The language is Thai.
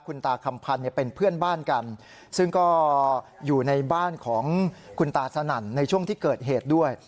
คุณตาคำพันธ์เป็นเพื่อนบ้านกันซึ่งก็อยู่ในบ้านของคุณตาสนั่นในช่วงที่เกิดเหตุด้วย